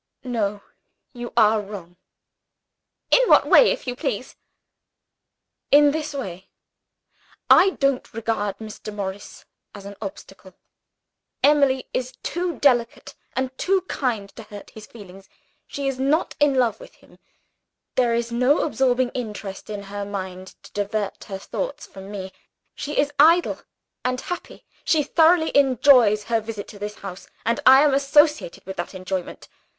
"No; you are wrong." "In what way, if you please?" "In this way. I don't regard Mr. Morris as an obstacle. Emily is too delicate and too kind to hurt his feelings she is not in love with him. There is no absorbing interest in her mind to divert her thoughts from me. She is idle and happy; she thoroughly enjoys her visit to this house, and I am associated with her enjoyment.